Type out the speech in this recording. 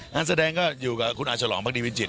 งานแสดงก็อยู่กับคุณอาฉลองพักดีวิจิต